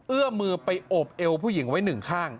เอื้อมือไปโอบเอวผู้หญิงไว้หนึ่งข้าง